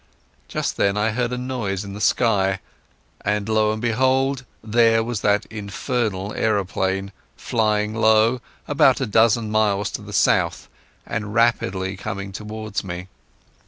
Just then I heard a noise in the sky, and lo and behold there was that infernal aeroplane, flying low, about a dozen miles to the south and rapidly coming towards me.